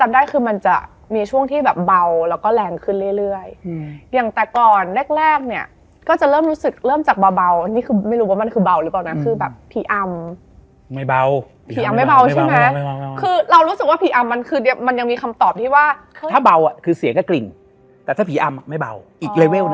ไม่รู้ตัวแล้วแค่พูดอะไรไปแล้วขวางทุกคนไป